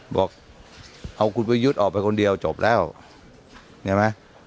บอกเอาคุณประยุทธ์ออกไปคนเดียวจบแล้วเห็นไหม